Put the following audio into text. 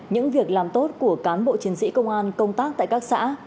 những việc làm tốt của cán bộ chiến sĩ công an công tác tại các xã